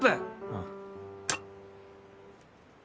ああ。